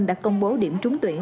đã công bố điểm trúng tuyển